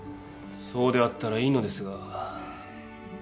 そうであったらいいのですが。